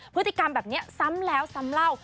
พฤติกรรมแบบนี้ซ้ำแล้วซ้ำเล่า